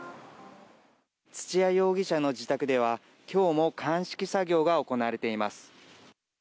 土屋容疑者の自宅では今日も鑑識作業が行われています。